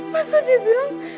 pas dia bilang